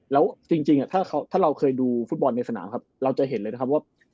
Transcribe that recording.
แล้วจริงถ้าเราเคยดูฟุตบอลในสนามครับเราจะเห็นเลยนะครับว่า